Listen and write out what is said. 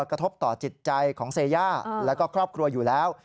กระทบต่อจิตใจของเซย่าแล้วก็ครอบครัวอยู่แล้ว